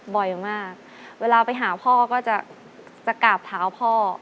บ่อยมากเวลาไปหาพ่อก็จะกราบเท้าพ่อ